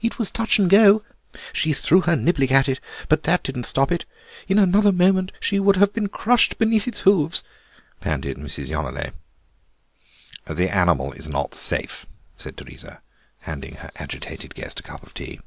"It was touch and go! She threw her niblick at it, but that didn't stop it. In another moment she would have been crushed beneath its hoofs," panted Mrs. Yonelet. "The animal is not safe," said Teresa, handing her agitated guest a cup of tea.